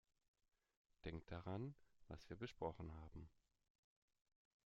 Denk daran, was wir besprochen haben!